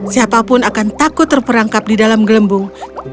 siapapun akan takut terperangkap di dalam gelembung